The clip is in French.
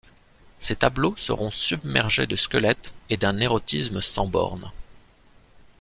Ses tableaux seront submergés de squelettes et d'un érotisme sans bornes.